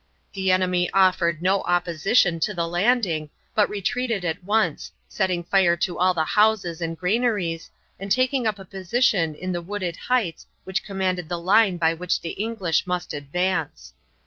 The enemy offered no opposition to the landing, but retreated at once, setting fire to all the houses and granaries, and taking up a position on the wooded heights which commanded the line by which the English must advance.